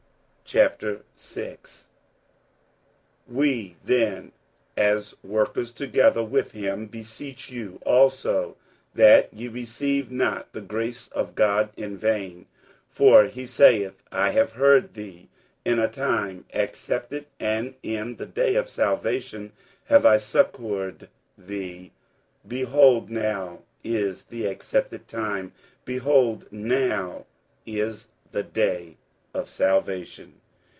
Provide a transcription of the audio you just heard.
47:006:001 We then, as workers together with him, beseech you also that ye receive not the grace of God in vain. 47:006:002 (For he saith, I have heard thee in a time accepted, and in the day of salvation have I succoured thee: behold, now is the accepted time; behold, now is the day of salvation.)